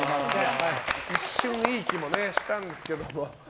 一瞬いい気もしたんですけど。